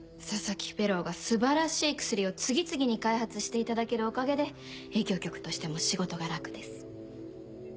佐々木フェローが素晴らしい薬を次々に開発していただけるおかげで営業局としても仕事が楽です。